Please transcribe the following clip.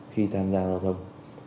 khi tham gia giao thông